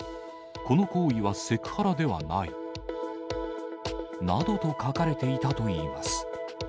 この行為はセクハラではない。などと書かれていたといいます。